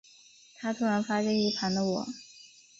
他突然发现一旁的我